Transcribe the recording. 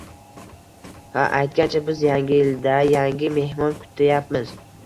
Ha, aytgancha, biz Yangi yilda Yangi mehmon kutayapmiz